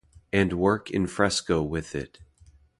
And work in fresco with it.